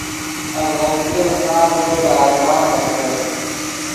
اڤغتیف خارڤو دے اگرام استت